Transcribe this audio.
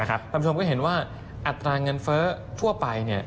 คุณผู้ชมก็เห็นว่าอัตราเงินเฟ้อทั่วไป